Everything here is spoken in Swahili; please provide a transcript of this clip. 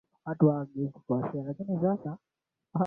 Mtihani ulikuwa mgumu.